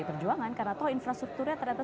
perjuangan karena toh infrastrukturnya ternyata